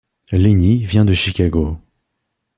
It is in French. Lenny vient de Chicago.